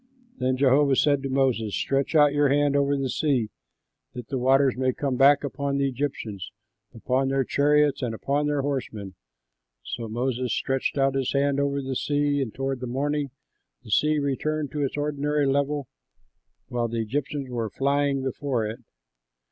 Then Jehovah said to Moses, "Stretch out your hand over the sea, that the waters may come back upon the Egyptians, upon their chariots, and upon their horsemen." So Moses stretched out his hand over the sea, and toward morning the sea returned to its ordinary level while the Egyptians were flying before it.